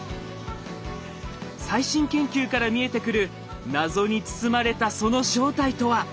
最新研究から見えてくる謎に包まれたその正体とは？